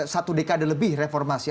satu dekade lebih reformasi